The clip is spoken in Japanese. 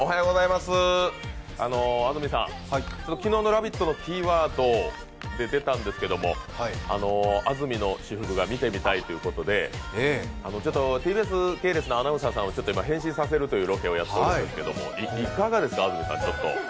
昨日の「ラヴィット！」のキーワードで出たんですが安住の私服が見て見たいということでＴＢＳ系列のアナウンサーさんを変身させるというロケをやってるんですけどいかがですか、ちょっと。